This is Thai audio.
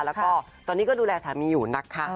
แล้วก็ตอนนี้ก็ดูแลสามีอยู่นะคะ